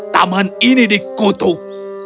taman ini dikutuk